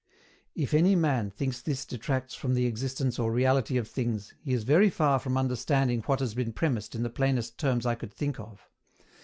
If any man thinks this detracts from the existence or reality of things, he is very far from understanding what has been premised in the plainest terms I could think of.